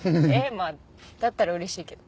まあだったら嬉しいけど。